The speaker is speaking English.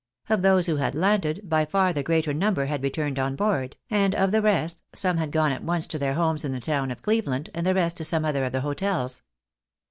Of those who had landed, by far the greater number had returned on board ; and of the rest, some had gone at once to their homes in the town of Cleveland, and the rest to some other of the hotels.